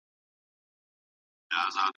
ذهن باید د کار پر ځای کې آرام وي.